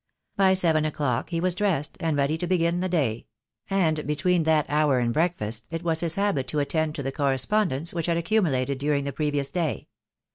By seven o'clock he was dressed, and ready to begin the day; and between that hour and breakfast it was his habit to attend to the correspondence which had accumulated during the previous day.